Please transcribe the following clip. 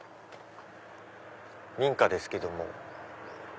民家ですけども。